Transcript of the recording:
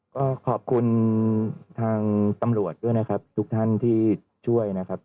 ก็ขอบคุณทางตำรวจด้วยนะครับทุกท่านที่ช่วยนะครับ